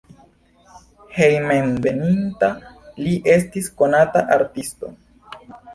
Hejmenveninta li estis konata artisto.